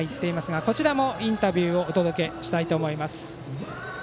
こちらもインタビューをお届けします。